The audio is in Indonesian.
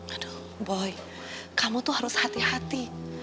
aduh boy kamu tuh harus hati hati